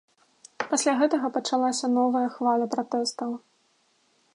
Пасля гэтага пачалася новая хваля пратэстаў.